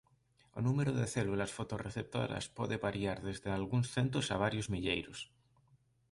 O número de células fotorreceptoras pode variar desde algúns centos a varios milleiros.